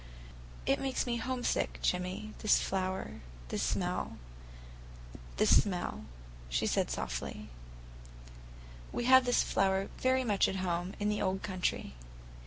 "It makes me homesick, Jimmy, this flower, this smell," she said softly. "We have this flower very much at home, in the old country.